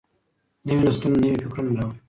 نوي نسلونه نوي فکرونه راوړي.